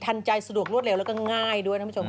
ทันใจสุดหลวดเร็วแล้วก็ง่ายด้วยนะครับผู้ชมค่ะ